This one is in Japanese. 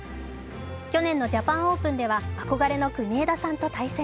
去年のジャパンオープンでは憧れの国枝さんと対戦。